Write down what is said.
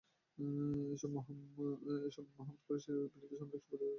এসময় মুহাম্মাদ কুরাইশদের বিরুদ্ধে সামরিক অভিযান প্রেরণ করেন।